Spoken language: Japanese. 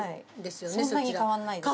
そんなに変わらないですよね。